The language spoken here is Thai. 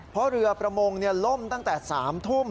เพราะเรือประมงล่มตั้งแต่๓ทุ่ม